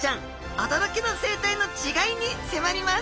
おどろきの生態の違いにせまります！